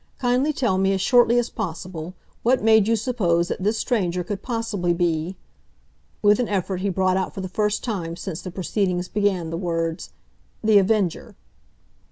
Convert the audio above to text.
Kindly tell me, as shortly as possible, what made you suppose that this stranger could possibly be—" with an effort he brought out for the first time since the proceedings began, the words, "The Avenger?"